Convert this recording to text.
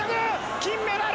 金メダル！